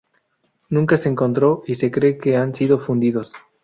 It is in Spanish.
Nunca se encontró y se cree que han sido fundidos.